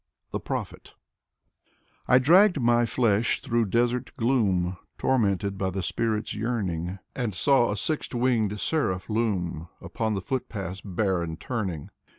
M 8 Alexander Pushkin THE PROPHET I draggea my flesh through desert gloom, Tormented by the spirit's yearning, And saw a six winged Seraph loom Upon the footpath's barren turning.